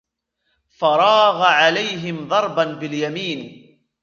فراغ عليهم ضربا باليمين